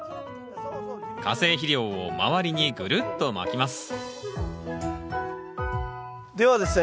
化成肥料を周りにぐるっとまきますではですね